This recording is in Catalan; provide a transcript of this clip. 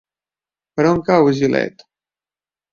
Per on cau Gilet?